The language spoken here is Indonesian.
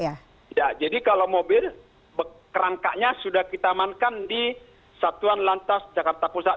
ya jadi kalau mobil kerangkanya sudah kita amankan di satuan lantas jakarta pusat